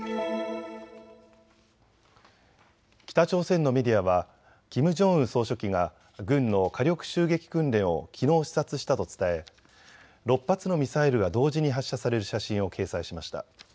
北朝鮮のメディアはキム・ジョンウン総書記が軍の火力襲撃訓練をきのう視察したと伝え、６発のミサイルが同時に発射される写真を掲載しました。